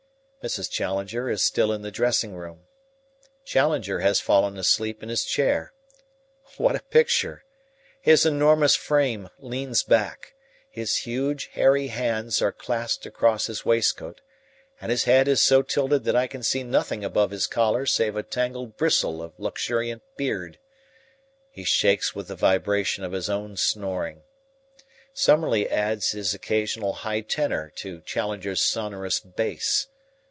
Mrs. Challenger is still in the dressing room. Challenger has fallen asleep in his chair. What a picture! His enormous frame leans back, his huge, hairy hands are clasped across his waistcoat, and his head is so tilted that I can see nothing above his collar save a tangled bristle of luxuriant beard. He shakes with the vibration of his own snoring. Summerlee adds his occasional high tenor to Challenger's sonorous bass.